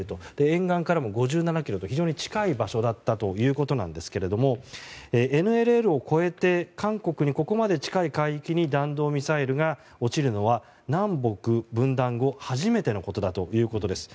沿岸からも５７ｋｍと非常に近い場所だったということなんですがＮＬＬを越えて韓国にここまで近い海域に弾道ミサイルが落ちるのは南北分断後初めてのことだということです。